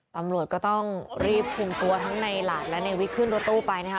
ทำลวดก็ต้องรีบคุมตัวทั้งนายหลาดนะวิทย์ขึ้นรถตู้ไปนะคะ